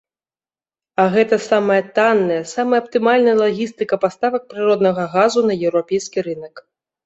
А гэта самая танная, самая аптымальная лагістыка паставак прыроднага газу на еўрапейскі рынак.